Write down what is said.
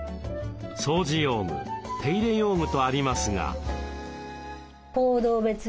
「掃除用具手入れ用具」とありますが。